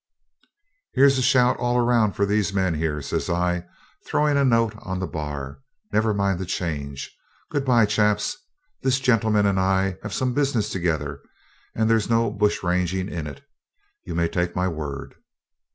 'Here's a shout all round for these men here,' says I, throwing a note on the bar. 'Never mind the change. Good bye, chaps. This gentleman and I have some business together, and there's no bush ranging in it, you may take my word.'